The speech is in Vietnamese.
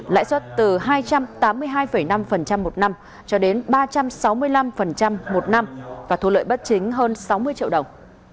lãi suất từ hai trăm tám mươi hai năm một năm cho đến ba trăm sáu mươi năm một năm và thu lợi bất chính hơn sáu mươi triệu đồng